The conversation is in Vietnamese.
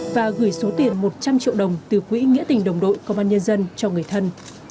và gửi số tiền một trăm linh triệu đồng từ quỹ nghĩa tình đồng đội công an nhân dân cho người thân